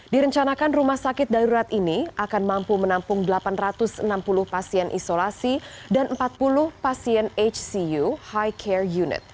direncanakan rumah sakit darurat ini akan mampu menampung delapan ratus enam puluh pasien isolasi dan empat puluh pasien hcu high care unit